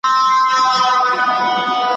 هغه کډه له کوڅې نه باروله `